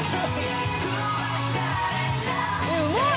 えうまい。